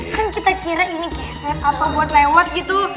kan kita kira ini gesek atau buat lewat gitu